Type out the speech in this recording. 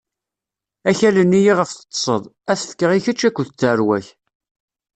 Akal-nni iɣef teṭṭṣeḍ, ad t-fkeɣ i kečč akked tarwa-k.